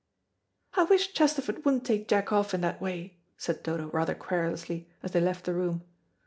"I wish Chesterford wouldn't take Jack off in that way," said Dodo rather querulously, as they left the room.